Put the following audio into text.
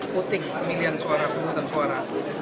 putting milihan suara pembentang suara